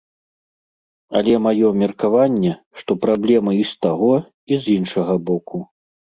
Але маё меркаванне, што праблема і з таго і з іншага боку.